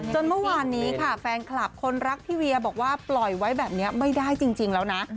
เมื่อวานนี้ค่ะแฟนคลับคนรักพี่เวียบอกว่าปล่อยไว้แบบนี้ไม่ได้จริงแล้วนะ